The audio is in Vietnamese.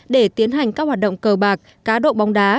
để tiến hành các hoạt động cờ bạc cá độ bóng đá